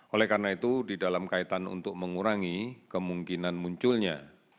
oleh karena itu di dalam kaitan untuk mengurangi kemungkinan munculnya